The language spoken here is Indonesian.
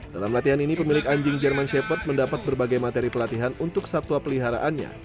dalam latihan ini pemilik anjing german sheph mendapat berbagai materi pelatihan untuk satwa peliharaannya